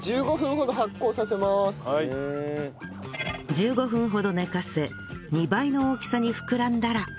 １５分ほど寝かせ２倍の大きさに膨らんだら